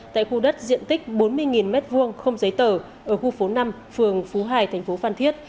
tại khu đất diện tích bốn mươi m hai không giấy tờ ở khu phố năm phường phú hải thành phố phan thiết